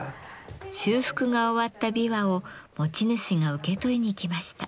修復が終わった琵琶を持ち主が受け取りにきました。